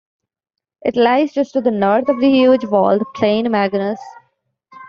It lies just to the north of the huge walled plain Maginus.